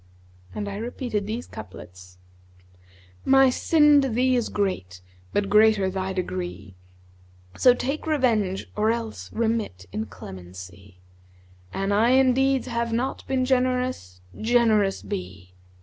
And I repeated these couplets, 'My sin to thee is great, * But greater thy degree: So take revenge, or else * Remit in clemency: An I in deeds have not* Been generous, generous be!